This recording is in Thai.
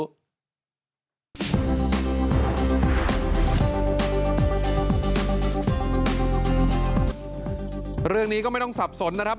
โทษภาพชาวนี้ก็จะได้ราคาใหม่